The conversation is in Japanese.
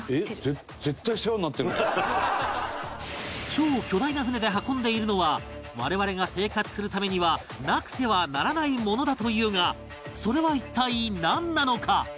超巨大な船で運んでいるのは我々が生活するためにはなくてはならないものだというがそれは一体なんなのか？